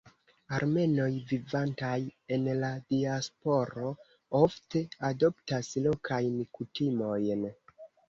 Armenoj vivantaj en la diasporo ofte adoptas lokajn kutimojn.